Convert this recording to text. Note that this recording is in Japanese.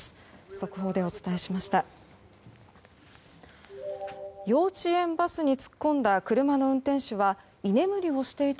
速報でお伝えしました。